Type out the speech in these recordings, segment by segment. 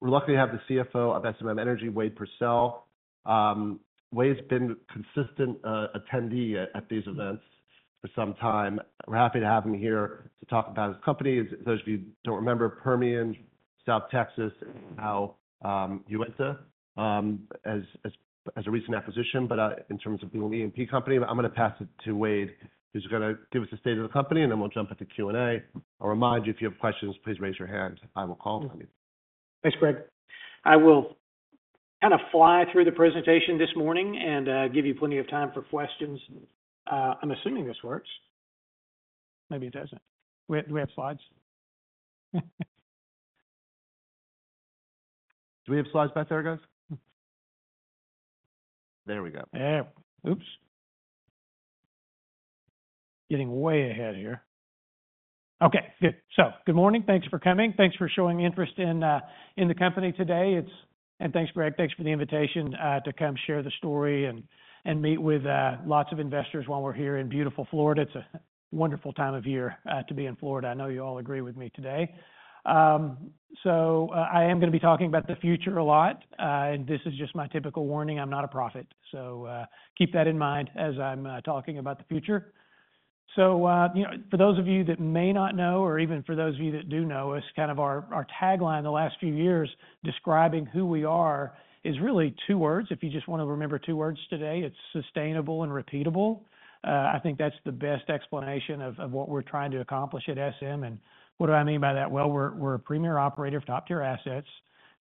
We're lucky to have the CFO of SM Energy, Wade Pursell. Wade's been a consistent attendee at these events for some time. We're happy to have him here to talk about his company. As those of you don't remember, Permian, South Texas, and now, Uinta, as a recent acquisition. But, in terms of being an E&P company, I'm gonna pass it to Wade, who's gonna give us a state of the company, and then we'll jump into Q&A. I'll remind you, if you have questions, please raise your hand. I will call on you. Thanks, Greg. I will kind of fly through the presentation this morning and give you plenty of time for questions. I'm assuming this works. Maybe it doesn't. Do we have slides? Do we have slides, Beth? There you go. There we go. Yeah. Oops. Getting way ahead here. Okay. Good. So, good morning. Thanks for coming. Thanks for showing interest in, in the company today. It's. And thanks, Greg. Thanks for the invitation to come share the story and, and meet with lots of investors while we're here in beautiful Florida. It's a wonderful time of year to be in Florida. I know you all agree with me today. So, I am gonna be talking about the future a lot. And this is just my typical warning. I'm not a prophet. So, keep that in mind as I'm talking about the future. So, you know, for those of you that may not know, or even for those of you that do know us, kind of our, our tagline the last few years describing who we are is really two words. If you just wanna remember two words today, it's sustainable and repeatable. I think that's the best explanation of what we're trying to accomplish at SM. And what do I mean by that? Well, we're a premier operator of top-tier assets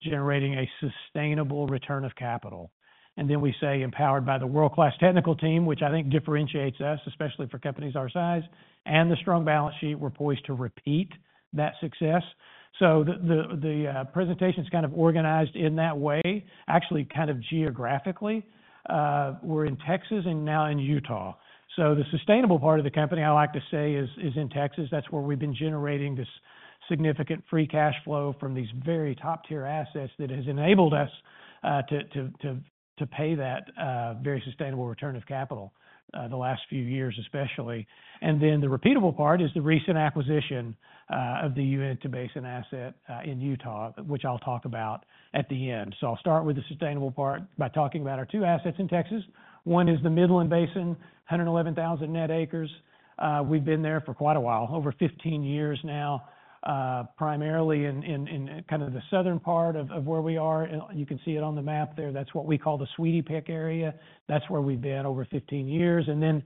generating a sustainable return of capital. And then we say, empowered by the world-class technical team, which I think differentiates us, especially for companies our size, and the strong balance sheet, we're poised to repeat that success. So the presentation's kind of organized in that way, actually kind of geographically. We're in Texas and now in Utah. So the sustainable part of the company, I like to say, is in Texas. That's where we've been generating this significant free cash flow from these very top-tier assets that has enabled us to pay that very sustainable return of capital, the last few years especially. And then the repeatable part is the recent acquisition of the Uinta Basin asset in Utah, which I'll talk about at the end. So I'll start with the sustainable part by talking about our two assets in Texas. One is the Midland Basin, 111,000 net acres. We've been there for quite a while, over 15 years now, primarily in kind of the southern part of where we are. And you can see it on the map there. That's what we call the Sweetie Peck area. That's where we've been over 15 years. And then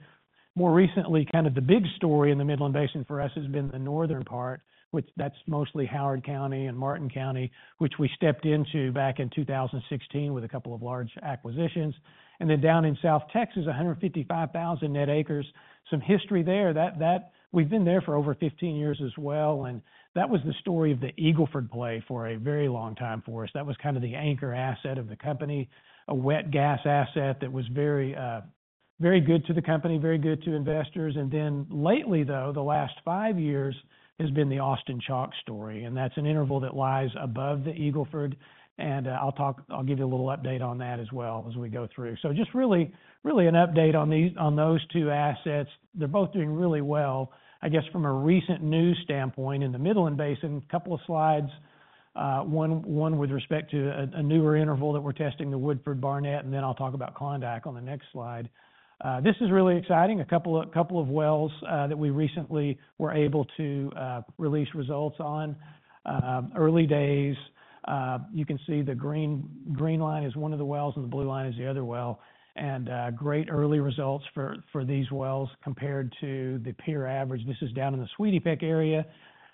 more recently, kind of the big story in the Midland Basin for us has been the northern part, which that's mostly Howard County and Martin County, which we stepped into back in 2016 with a couple of large acquisitions. And then down in South Texas, 155,000 net acres. Some history there. That we've been there for over 15 years as well. And that was the story of the Eagle Ford play for a very long time for us. That was kind of the anchor asset of the company, a wet gas asset that was very, very good to the company, very good to investors. And then lately, though, the last five years has been the Austin Chalk story. And that's an interval that lies above the Eagle Ford. And I'll talk, I'll give you a little update on that as well as we go through. So just really, really an update on these, on those two assets. They're both doing really well. I guess from a recent news standpoint in the Midland Basin, a couple of slides, one with respect to a newer interval that we're testing, the Woodford Barnett, and then I'll talk about Klondike on the next slide. This is really exciting. A couple of wells that we recently were able to release results on. Early days. You can see the green line is one of the wells and the blue line is the other well. Great early results for these wells compared to the peer average. This is down in the Sweetie Peck area.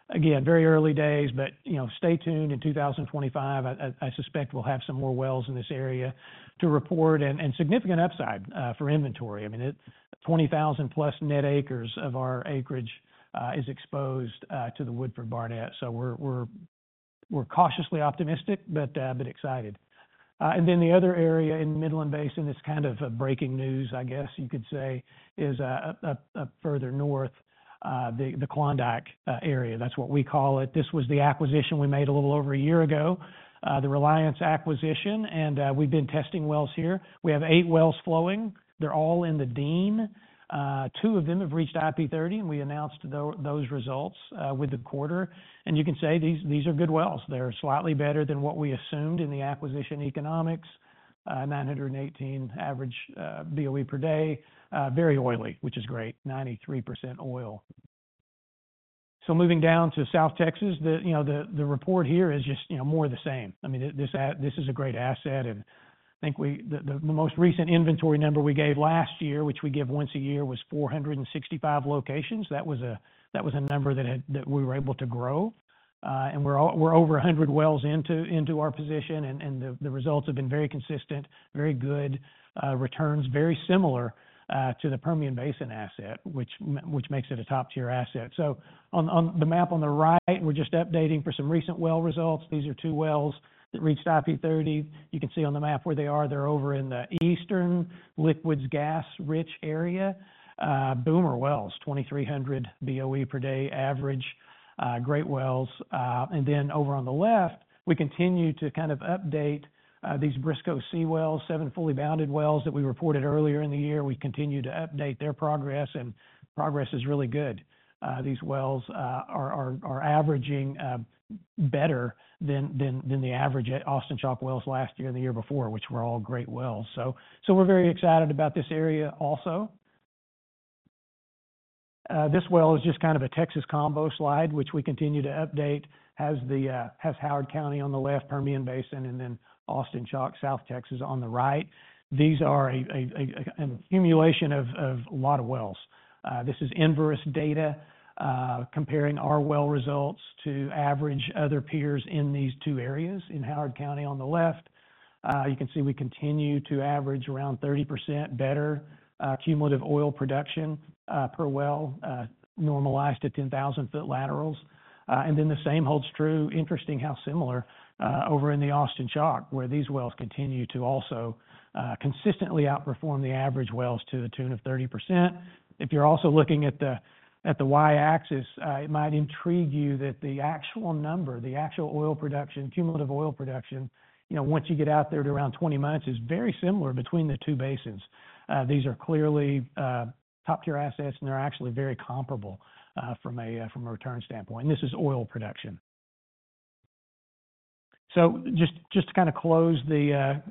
Again, very early days, but you know, stay tuned in 2025. I suspect we'll have some more wells in this area to report and significant upside for inventory. I mean, it's 20,000+ net acres of our acreage is exposed to the Woodford Barnett. So we're cautiously optimistic, but excited. Then the other area in the Midland Basin, it's kind of breaking news, I guess you could say, is further north, the Klondike area. That's what we call it. This was the acquisition we made a little over a year ago, the Reliance acquisition. And we've been testing wells here. We have eight wells flowing. They're all in the Dean. Two of them have reached IP30, and we announced those results with the quarter. And you can say these are good wells. They're slightly better than what we assumed in the acquisition economics, 918 average BOE per day, very oily, which is great, 93% oil. So moving down to South Texas, you know, the report here is just, you know, more of the same. I mean, this is a great asset. And I think the most recent inventory number we gave last year, which we give once a year, was 465 locations. That was a number that we were able to grow. We're over 100 wells into our position. The results have been very consistent, very good returns, very similar to the Permian Basin asset, which makes it a top-tier asset. On the map on the right, we're just updating for some recent well results. These are two wells that reached IP30. You can see on the map where they are. They're over in the eastern liquids gas rich area. Boomer wells, 2,300 BOE per day average, great wells. Then over on the left, we continue to kind of update these Briscoe C wells, seven fully bounded wells that we reported earlier in the year. We continue to update their progress, and progress is really good. These wells are averaging better than the average Austin Chalk wells last year and the year before, which were all great wells. We're very excited about this area also. This well is just kind of a Texas combo slide, which we continue to update as Howard County on the left, Permian Basin, and then Austin Chalk, South Texas on the right. These are an accumulation of a lot of wells. This is inverse data, comparing our well results to average other peers in these two areas in Howard County on the left. You can see we continue to average around 30% better cumulative oil production per well, normalized to 10,000-foot laterals. The same holds true. Interesting how similar, over in the Austin Chalk, where these wells continue to also consistently outperform the average wells to the tune of 30%. If you're also looking at the y-axis, it might intrigue you that the actual number, the actual oil production, cumulative oil production, you know, once you get out there to around 20 months is very similar between the two basins. These are clearly top-tier assets, and they're actually very comparable from a return standpoint, and this is oil production. So just to kind of close the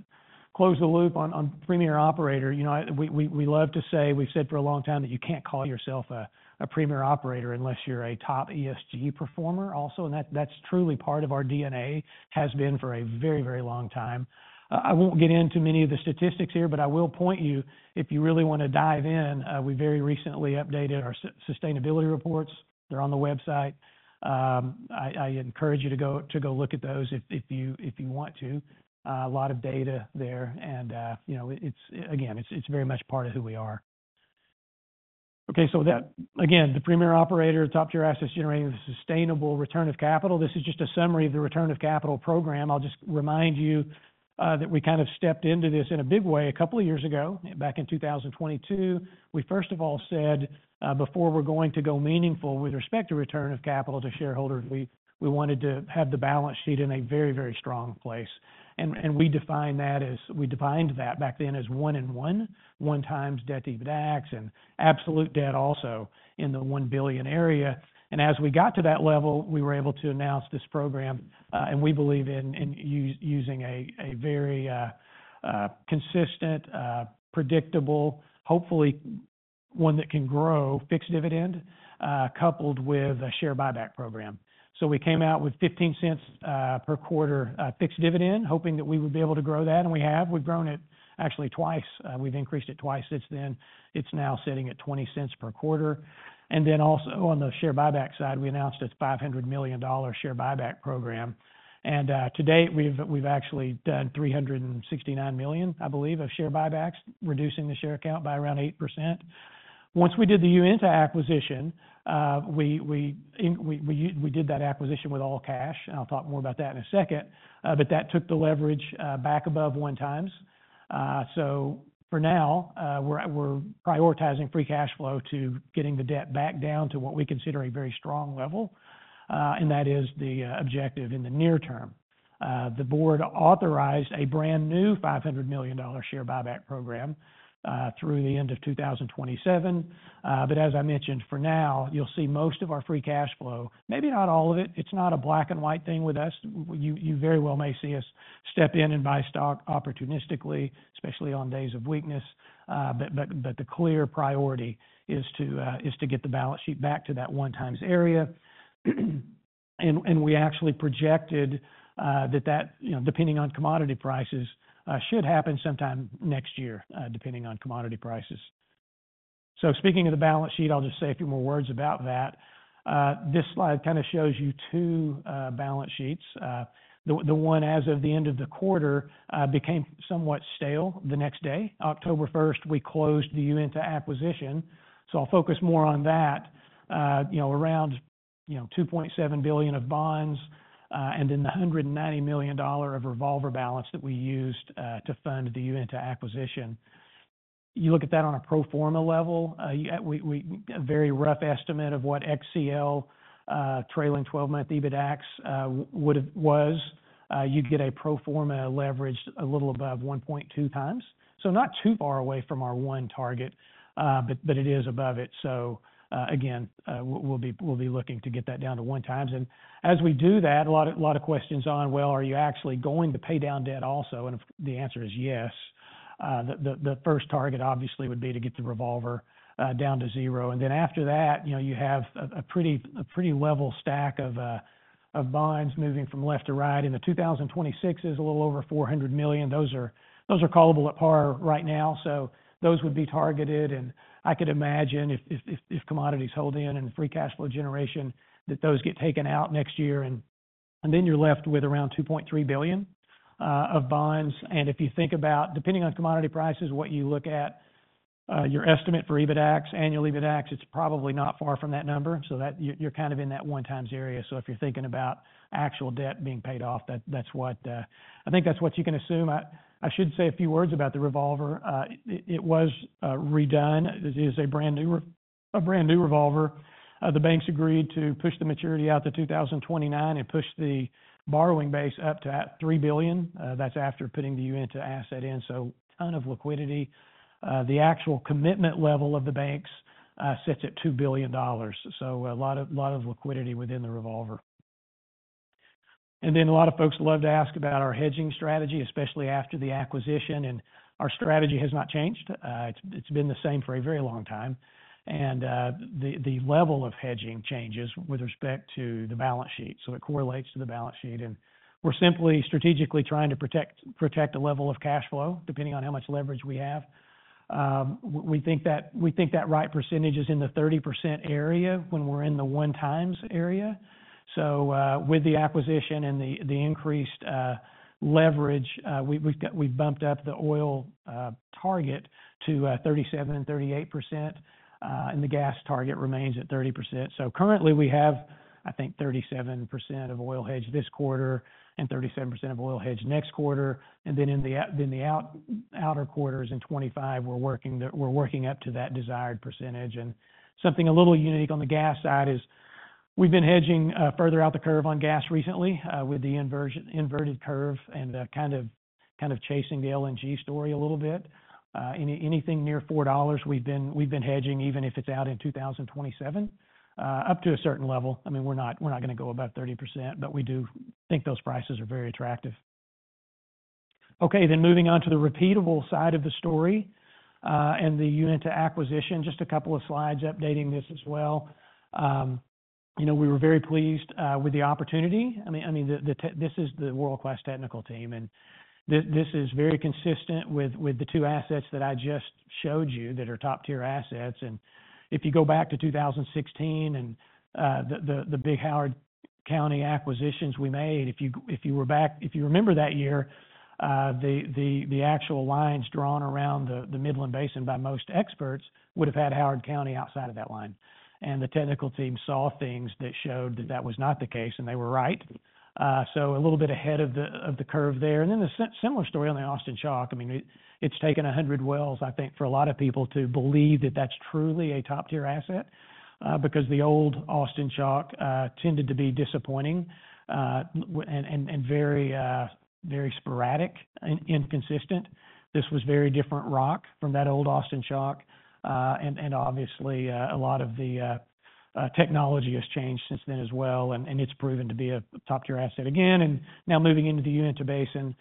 loop on premier operator, you know, we love to say, we've said for a long time that you can't call yourself a premier operator unless you're a top ESG performer also, and that that's truly part of our DNA, has been for a very, very long time. I won't get into many of the statistics here, but I will point you, if you really wanna dive in, we very recently updated our sustainability reports. They're on the website. I encourage you to go look at those if you want to. A lot of data there. You know, it's, again, very much part of who we are. Okay. So that, again, the premier operator, top-tier assets generating the sustainable return of capital. This is just a summary of the return of capital program. I'll just remind you that we kind of stepped into this in a big way a couple of years ago, back in 2022. We first of all said, before we're going to go meaningful with respect to return of capital to shareholders, we wanted to have the balance sheet in a very, very strong place. We defined that back then as one to one, one times debt EBITDAX and absolute debt also in the $1 billion area. As we got to that level, we were able to announce this program, and we believe in using a very consistent, predictable, hopefully one that can grow fixed dividend, coupled with a share buyback program. We came out with $0.15 per quarter fixed dividend, hoping that we would be able to grow that. We have, we've grown it actually twice. We've increased it twice since then. It's now sitting at $0.20 per quarter. Then also on the share buyback side, we announced a $500 million share buyback program. To date, we've actually done $369 million, I believe, of share buybacks, reducing the share count by around 8%. Once we did the Uinta acquisition, we did that acquisition with all cash, and I'll talk more about that in a second, but that took the leverage back above one times, so for now, we're prioritizing free cash flow to getting the debt back down to what we consider a very strong level, and that is the objective in the near term. The board authorized a brand new $500 million share buyback program through the end of 2027, but as I mentioned, for now, you'll see most of our free cash flow, maybe not all of it. It's not a black and white thing with us. You very well may see us step in and buy stock opportunistically, especially on days of weakness, but the clear priority is to get the balance sheet back to that one times area. We actually projected that, you know, depending on commodity prices, should happen sometime next year, depending on commodity prices. So speaking of the balance sheet, I'll just say a few more words about that. This slide kind of shows you two balance sheets. The one as of the end of the quarter became somewhat stale the next day. October 1st, we closed the Uinta acquisition. So I'll focus more on that, you know, around $2.7 billion of bonds, and then the $190 million of revolver balance that we used to fund the Uinta acquisition. You look at that on a pro forma level. We have a very rough estimate of what XCL's trailing 12-month EBITDAX would've been. You'd get a pro forma leverage a little above 1.2x. So not too far away from our one target, but it is above it. Again, we'll be looking to get that down to one times. And as we do that, a lot of questions on, well, are you actually going to pay down debt also? And if the answer is yes, the first target obviously would be to get the revolver down to zero. And then after that, you know, you have a pretty level stack of bonds moving from left to right. And the 2026 is a little over $400 million. Those are callable at par right now. So those would be targeted. And I could imagine if commodities hold in and free cash flow generation, that those get taken out next year. And then you're left with around $2.3 billion of bonds. And if you think about, depending on commodity prices, what you look at, your estimate for EBITDAX, annual EBITDAX, it's probably not far from that number. So that you're, you're kind of in that one times area. So if you're thinking about actual debt being paid off, that, that's what, I think that's what you can assume. I, I should say a few words about the revolver. It, it was redone. It is a brand new, a brand new revolver. The banks agreed to push the maturity out to 2029 and push the borrowing base up to at $3 billion. That's after putting the Uinta asset in. So a ton of liquidity. The actual commitment level of the banks sits at $2 billion. So a lot of, a lot of liquidity within the revolver. And then a lot of folks love to ask about our hedging strategy, especially after the acquisition. And our strategy has not changed. It's been the same for a very long time. And the level of hedging changes with respect to the balance sheet. So it correlates to the balance sheet. And we're simply strategically trying to protect a level of cash flow depending on how much leverage we have. We think that right percentage is in the 30% area when we're in the one times area. So with the acquisition and the increased leverage, we've bumped up the oil target to 37%-38%. And the gas target remains at 30%. So currently we have, I think, 37% of oil hedged this quarter and 37% of oil hedged next quarter. In the outer quarters in 2025, we're working up to that desired percentage. Something a little unique on the gas side is we've been hedging further out the curve on gas recently, with the inverted curve and kind of chasing the LNG story a little bit. Anything near $4 we've been hedging, even if it's out in 2027, up to a certain level. I mean, we're not gonna go above 30%, but we do think those prices are very attractive. Okay. Moving on to the repeatable side of the story and the Uinta acquisition, just a couple of slides updating this as well. You know, we were very pleased with the opportunity. I mean, this is the world-class technical team and this is very consistent with the two assets that I just showed you that are top-tier assets. And if you go back to 2016 and the big Howard County acquisitions we made, if you remember that year, the actual lines drawn around the Midland Basin by most experts would've had Howard County outside of that line. And the technical team saw things that showed that that was not the case and they were right. A little bit ahead of the curve there. And then the similar story on the Austin Chalk. I mean, it's taken 100 wells, I think for a lot of people to believe that that's truly a top-tier asset, because the old Austin Chalk tended to be disappointing, and very sporadic and inconsistent. This was very different rock from that old Austin Chalk. Obviously, a lot of the technology has changed since then as well. It's proven to be a top-tier asset again. Now moving into the Uinta Basin,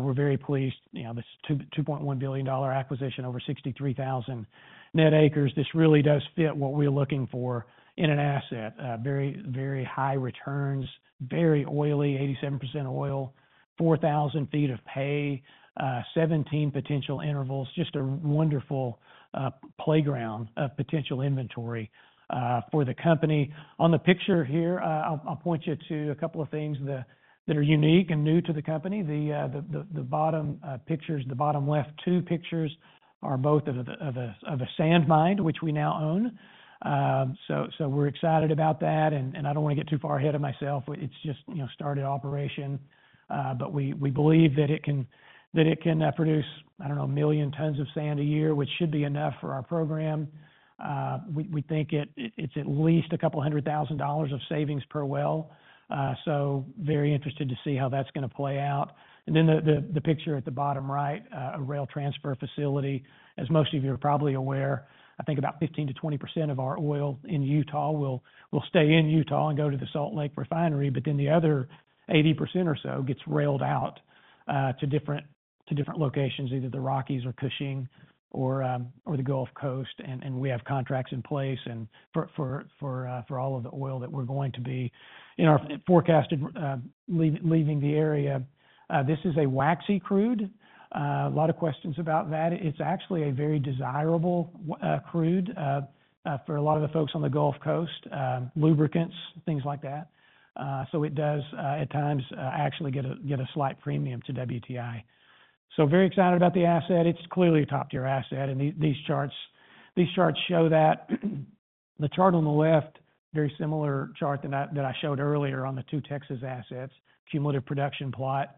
we're very pleased, you know, this $2.1 billion acquisition over 63,000 net acres. This really does fit what we are looking for in an asset. Very high returns, very oily, 87% oil, 4,000 feet of pay, 17 potential intervals, just a wonderful playground of potential inventory for the company. On the picture here, I'll point you to a couple of things that are unique and new to the company. The bottom left two pictures are both of a sand mine, which we now own, so we're excited about that. And I don't wanna get too far ahead of myself. It's just, you know, started operation, but we believe that it can produce, I don't know, a million tons of sand a year, which should be enough for our program. We think it's at least a couple hundred thousand dollars of savings per well, so very interested to see how that's gonna play out, and then the picture at the bottom right, a rail transfer facility. As most of you are probably aware, I think about 15%-20% of our oil in Utah will stay in Utah and go to the Salt Lake refinery. But then the other 80% or so gets railed out to different locations, either the Rockies or Cushing or the Gulf Coast. And we have contracts in place for all of the oil that we're going to be in our forecasted leaving the area. This is a waxy crude. A lot of questions about that. It's actually a very desirable crude for a lot of the folks on the Gulf Coast, lubricants, things like that. So it does, at times, actually get a slight premium to WTI. Very excited about the asset. It's clearly a top-tier asset. And these charts show that the chart on the left, very similar chart that I showed earlier on the two Texas assets, cumulative production plot.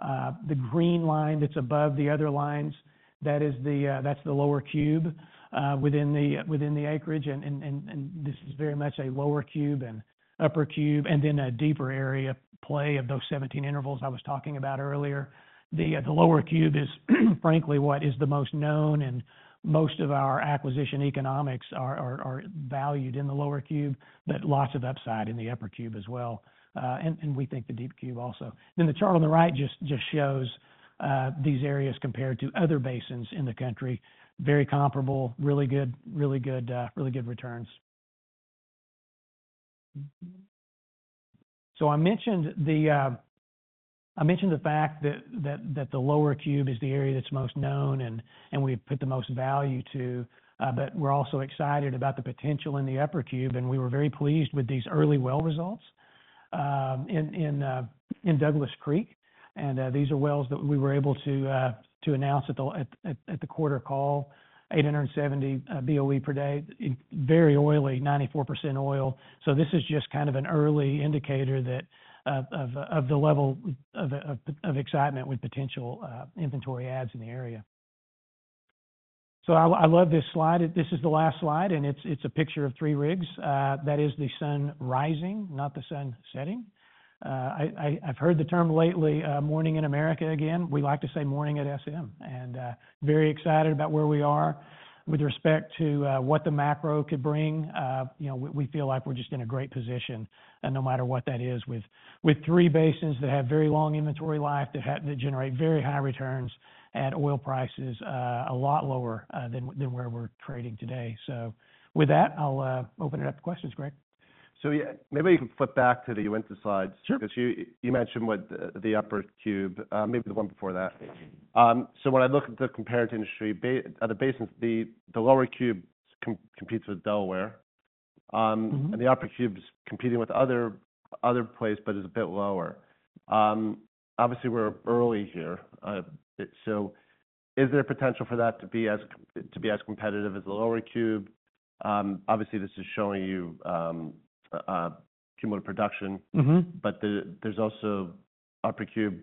The green line that's above the other lines, that is the lower cube within the acreage. And this is very much a lower cube and upper cube, and then a deep cube play of those 17 intervals I was talking about earlier. The lower cube is frankly what is the most known and most of our acquisition economics are valued in the lower cube, but lots of upside in the upper cube as well. And we think the deep cube also. Then the chart on the right just shows these areas compared to other basins in the country, very comparable, really good returns. I mentioned the fact that the lower cube is the area that's most known and we've put the most value to, but we're also excited about the potential in the upper cube. We were very pleased with these early well results in Douglas Creek. These are wells that we were able to announce at the quarter call, 870 BOE per day, very oily, 94% oil. This is just kind of an early indicator of the level of excitement with potential inventory adds in the area. I love this slide. This is the last slide and it's a picture of three rigs that is the sun rising, not the sun setting. I've heard the term lately, morning in America again. We like to say morning at SM and very excited about where we are with respect to what the macro could bring. You know, we feel like we're just in a great position and no matter what that is with three basins that have very long inventory life that generate very high returns at oil prices a lot lower than where we're trading today. With that, I'll open it up to questions, Greg. Yeah, maybe you can flip back to the Uinta slides. Sure. 'Cause you mentioned what the upper cube, maybe the one before that. When I look at the compared industry, the basins, the lower cube competes with Delaware. The upper cube's competing with other places, but it's a bit lower. Obviously we're early here. So is there potential for that to be as competitive as the lower cube? Obviously this is showing you cumulative production. Mm-hmm. But there's also upper cube.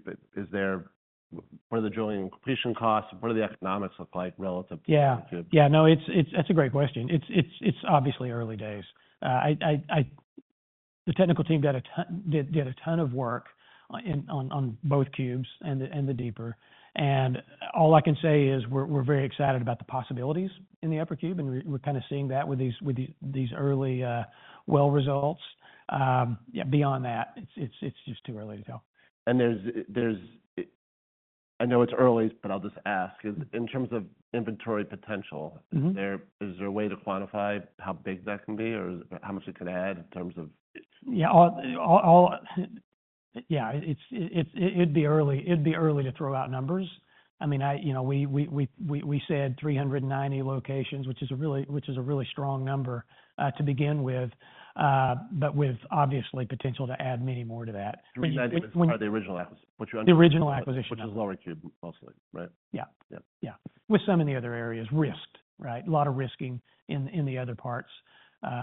What are the drilling and completion costs? What do the economics look like relative to the upper cube? Yeah. Yeah. No, that's a great question. It's obviously early days. The technical team did a ton of work on both cubes and the deeper. And all I can say is we're very excited about the possibilities in the upper cube. And we're kind of seeing that with these early well results. Yeah, beyond that, it's just too early to tell. And there's, I know it's early, but I'll just ask in terms of inventory potential. Mm-hmm. There, is there a way to quantify how big that can be or how much it could add in terms of? Yeah. All. Yeah. It's, it'd be early to throw out numbers. I mean, you know, we said 390 locations, which is a really strong number to begin with, but with obviously potential to add many more to that. When are the original acquisition? What you understand? The original acquisition. Which is lower cube mostly, right? Yeah. Yeah. Yeah. With some in the other areas, risked, right? A lot of risking in the other parts.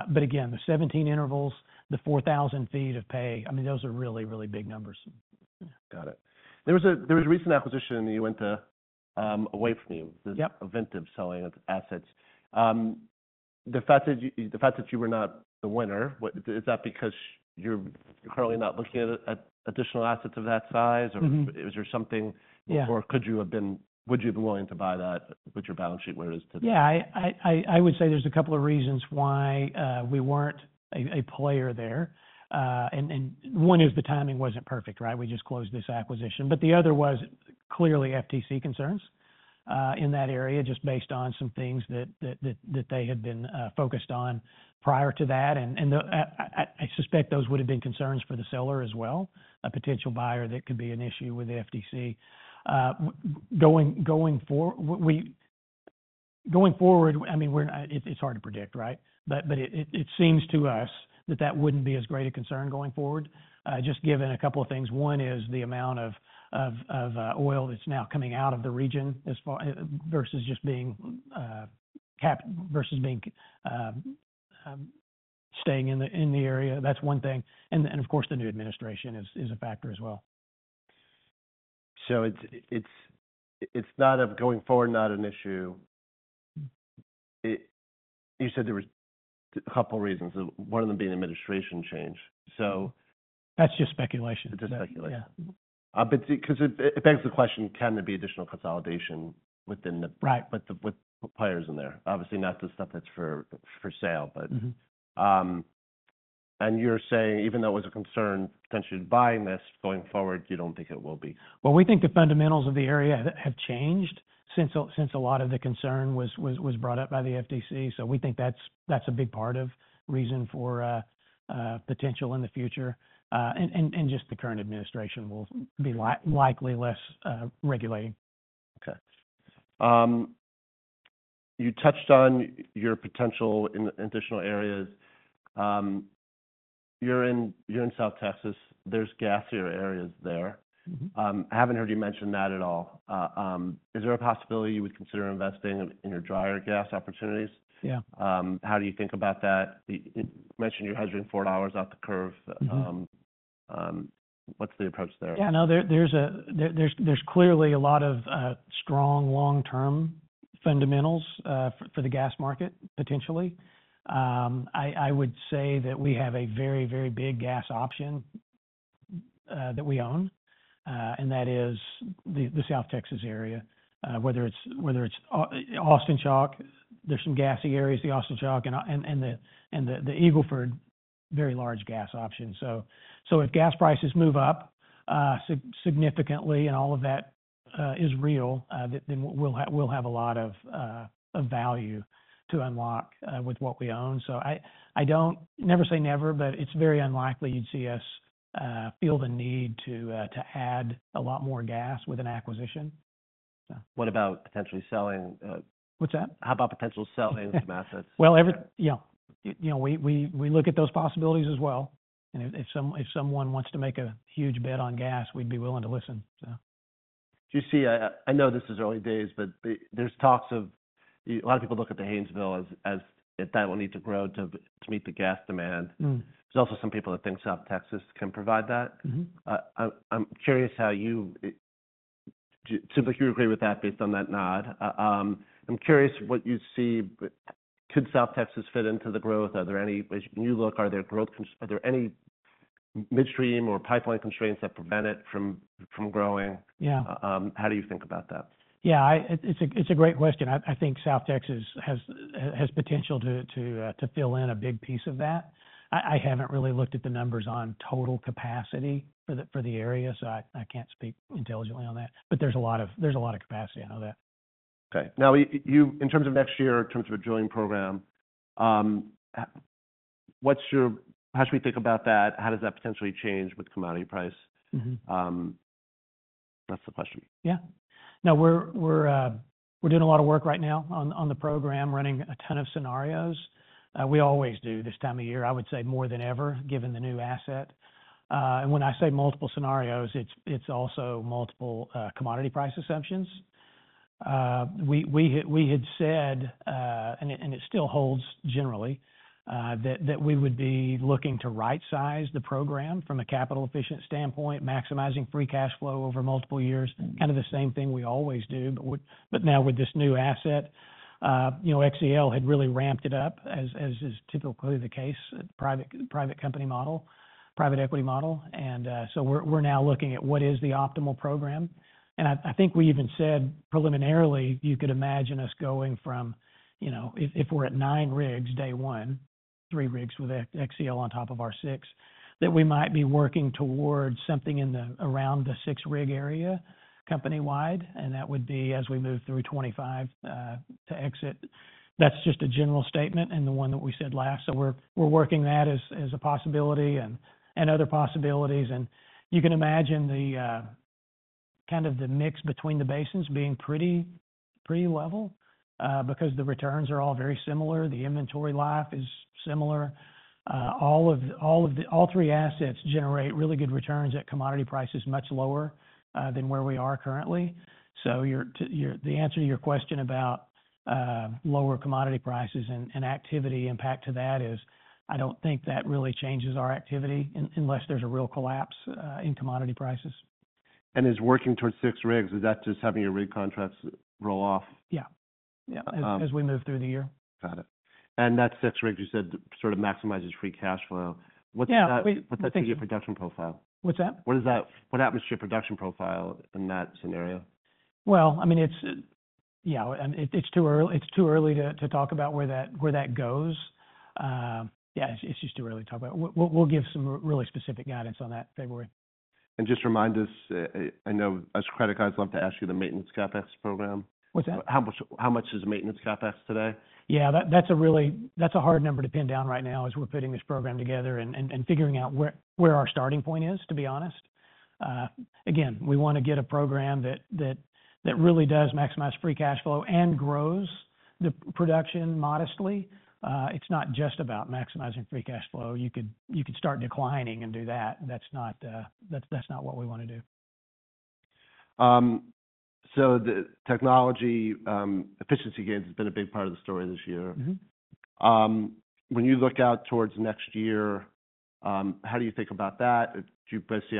But again, the 17 intervals, the 4,000 feet of pay, I mean, those are really big numbers. Got it. There was a recent acquisition in the Uinta, away from you. Yep. This event of selling assets. The fact that you were not the winner, what is that because you're currently not looking at additional assets of that size or is there something? Yeah. Or could you have been, would you have been willing to buy that with your balance sheet where it is today? Yeah. I would say there's a couple of reasons why we weren't a player there. And one is the timing wasn't perfect, right? We just closed this acquisition. But the other was clearly FTC concerns in that area, just based on some things that they had been focused on prior to that. And I suspect those would've been concerns for the seller as well, a potential buyer that could be an issue with FTC. Going forward, I mean, it's hard to predict, right? But it seems to us that that wouldn't be as great a concern going forward, just given a couple of things. One is the amount of oil that's now coming out of the region as far versus just being capped versus being staying in the area. That's one thing. And then, of course, the new administration is a factor as well. So it's not, going forward, not an issue. You said there was a couple reasons, one of them being administration change. That's just speculation. Yeah. But because it begs the question, can there be additional consolidation within the? Right. With the players in there? Obviously not the stuff that's for sale but. Mm-hmm. And you're saying even though it was a concern potentially buying this going forward, you don't think it will be? Well, we think the fundamentals of the area have changed since a lot of the concern was brought up by the FTC. So we think that's a big part of reason for potential in the future. And just the current administration will be likely less regulating. Okay. You touched on your potential in additional areas. You're in South Texas. There's gasier areas there. Mm-hmm. I haven't heard you mention that at all. Is there a possibility you would consider investing in your drier gas opportunities? Yeah. How do you think about that? You mentioned you're hedging $4 off the curve. What's the approach there? Yeah. No, there's clearly a lot of strong long-term fundamentals for the gas market potentially. I would say that we have a very big gas option that we own, and that is the South Texas area, whether it's Austin Chalk, there's some gassy areas, the Austin Chalk and the Eagle Ford, very large gas option. So if gas prices move up significantly and all of that is real, then we'll have a lot of value to unlock with what we own. So I don't never say never, but it's very unlikely you'd see us feel the need to add a lot more gas with an acquisition. Yeah. What about potentially selling? What's that? How about potential selling some assets? Every, you know, we look at those possibilities as well. And if someone wants to make a huge bet on gas, we'd be willing to listen. So. Do you see? I know this is early days, but there's talks of a lot of people look at the Haynesville as that will need to grow to meet the gas demand. Mm-hmm. There's also some people that think South Texas can provide that. Mm-hmm. I'm curious how you, it seems like you agree with that based on that nod. I'm curious what you see. Could South Texas fit into the growth? Are there any, as you look, are there any midstream or pipeline constraints that prevent it from growing? Yeah. How do you think about that? Yeah. It's a great question. I think South Texas has potential to fill in a big piece of that. I haven't really looked at the numbers on total capacity for the area. So I can't speak intelligently on that, but there's a lot of capacity. I know that. Okay. Now, in terms of next year, in terms of a drilling program, how should we think about that? How does that potentially change with commodity price? Mm-hmm. That's the question. Yeah. No, we're doing a lot of work right now on the program, running a ton of scenarios. We always do this time of year. I would say more than ever, given the new asset. When I say multiple scenarios, it's also multiple commodity price assumptions. We had said, and it still holds generally, that we would be looking to right size the program from a capital efficient standpoint, maximizing free cash flow over multiple years. Kind of the same thing we always do, but now with this new asset, you know, XCL had really ramped it up as is typically the case, private company model, private equity model. And so we're now looking at what is the optimal program. And I think we even said preliminarily, you could imagine us going from, you know, if we're at nine rigs day one, three rigs with XCL on top of our six, that we might be working towards something in the around the six rig area company wide. And that would be as we move through 2025, to exit. That's just a general statement and the one that we said last. So we're working that as a possibility and other possibilities. And you can imagine the kind of mix between the basins being pretty level, because the returns are all very similar. The inventory life is similar. All three assets generate really good returns at commodity prices much lower than where we are currently. So the answer to your question about lower commodity prices and activity impact to that is, I don't think that really changes our activity unless there's a real collapse in commodity prices. And working towards six rigs, is that just having your rig contracts roll off? Yeah. Yeah. As we move through the year. Got it. And that six rigs you said sort of maximizes free cash flow. What's that? Yeah. What's that to your production profile? What's that? What is that? What happens to your production profile in that scenario? Well, I mean, it's yeah, and it, it's too early to talk about where that goes. Yeah, it's just too early to talk about. We'll give some really specific guidance on that February. And just remind us. I know as credit guys love to ask you the maintenance CapEx program. What's that? How much is maintenance CapEx today? Yeah. That's a really hard number to pin down right now as we're putting this program together and figuring out where our starting point is, to be honest. Again, we want to get a program that really does maximize free cash flow and grows the production modestly. It's not just about maximizing free cash flow. You could start declining and do that. That's not what we wanna do, So the technology, efficiency gains has been a big part of the story this year. When you look out towards next year, how do you think about that? Do you see,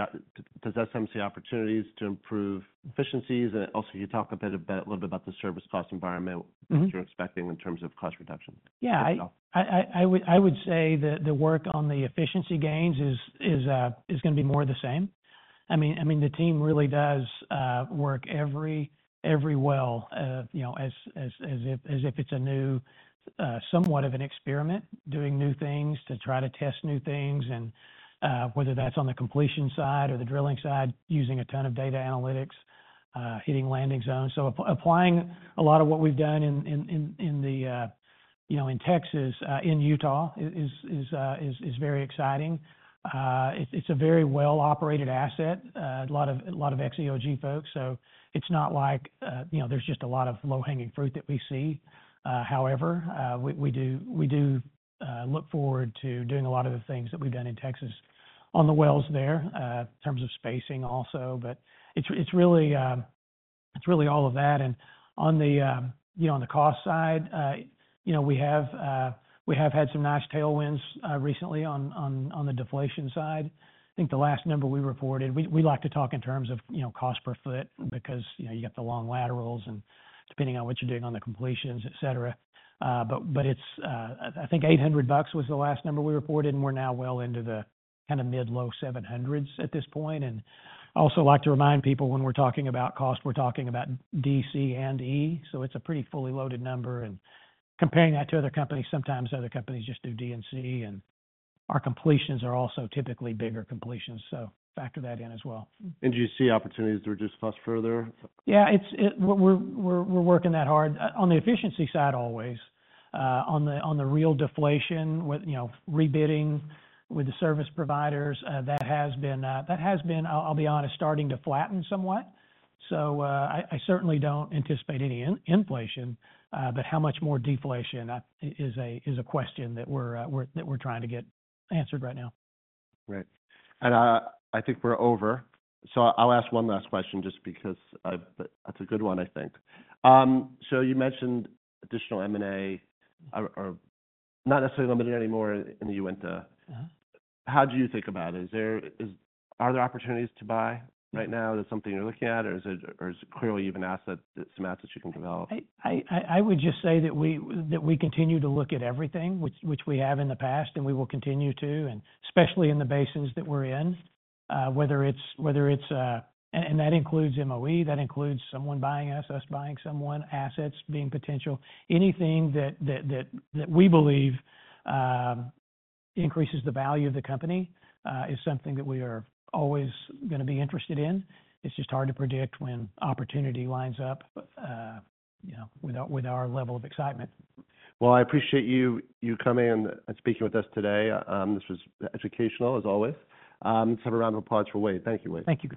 does that seem to see opportunities to improve efficiencies? And also you talk a bit about, a little bit about the service cost environment. What you're expecting in terms of cost reduction? Yeah. I would say that the work on the efficiency gains is gonna be more of the same. I mean, the team really does work every well, you know, as if it's a new, somewhat of an experiment, doing new things to try to test new things and whether that's on the completion side or the drilling side, using a ton of data analytics, hitting landing zones, so applying a lot of what we've done, you know, in Texas, in Utah is very exciting. It's a very well operated asset. A lot of XEOG folks, so it's not like, you know, there's just a lot of low hanging fruit that we see. However, we do look forward to doing a lot of the things that we've done in Texas on the wells there, in terms of spacing also. But it's, it's really, it's really all of that. And on the cost side, you know, we have had some nice tailwinds recently on the deflation side. I think the last number we reported, we like to talk in terms of, you know, cost per foot because, you know, you got the long laterals and depending on what you're doing on the completions, et cetera. But it's, I think $800 was the last number we reported and we're now well into the kind of mid-low 700s at this point. And also like to remind people when we're talking about cost, we're talking about DC and E. So it's a pretty fully loaded number. And comparing that to other companies, sometimes other companies just do D and C and our completions are also typically bigger completions. So factor that in as well. And do you see opportunities to reduce cost further? Yeah. It's, we're working that hard on the efficiency side always. On the real deflation with, you know, rebidding with the service providers, that has been, I'll be honest, starting to flatten somewhat. So I certainly don't anticipate any inflation, but how much more deflation is a question that we're trying to get answered right now. Right. And I think we're over. So I'll ask one last question just because that's a good one, I think. So you mentioned additional M&A are not necessarily limited anymore in the Uinta. Uh-huh. How do you think about it? Is there, are there opportunities to buy right now? Is it something you're looking at or is it clearly an asset that some assets you can develop? I would just say that we continue to look at everything which we have in the past and we will continue to, and especially in the basins that we're in, whether it's, and that includes M&A, that includes someone buying us, us buying someone, assets being potential. Anything that we believe increases the value of the company is something that we are always gonna be interested in. It's just hard to predict when opportunity lines up, you know, with our level of excitement. Well, I appreciate you coming and speaking with us today. This was educational as always. Let's have a round of applause for Wade. Thank you, Wade. Thank you.